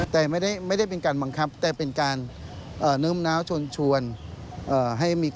แต่ก็ไม่ได้เป็นการบังคับใช่ไหม